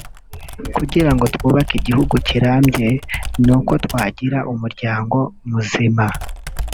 kugira ngo twubake igihugu kirambye ni uko twagira umuryango muzima